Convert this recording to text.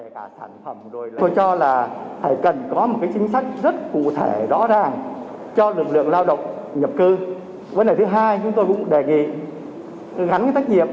chúng tôi cũng đề nghị gắn với các doanh nghiệp